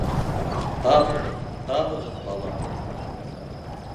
Табығыҙ, табығыҙ баламды!